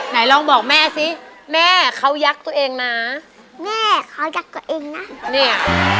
ไหนลองบอกแม่สิแม่เขายักษ์ตัวเองนะแม่เขายักตัวเองนะเนี่ย